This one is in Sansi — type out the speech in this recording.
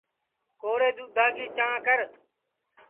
کورے دُؔدھا کی چانٚھ کر